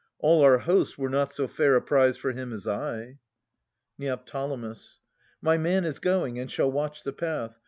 All our host Were not so fair a prize for him as I. Neo. My man is going, and shall watch the path.